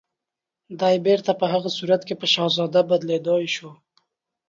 دی بيرته په هغه صورت کې په شهزاده بدليدای شو